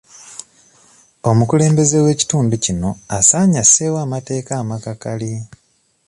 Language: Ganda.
Omukulembeze w'ekitundu kino asaanye asseewo amateeka amakakali.